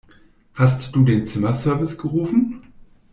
Hast du den Zimmerservice gerufen?